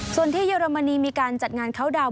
ส่วนที่เยอรมณีมีการจัดในการเข้าดาวท์